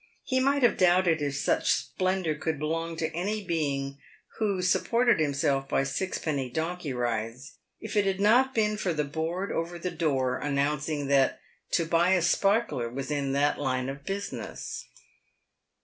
He might have doubted if such splendour could belong to any being who supported himself by sixpenny donkey rides, if it had not been for the board over the door, announcing that Tobias Sparkler was in that line of business.